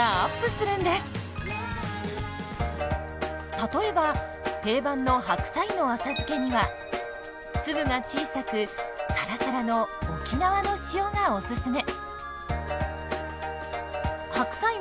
例えば定番の白菜の浅漬けには粒が小さくサラサラの沖縄の塩がおススメ。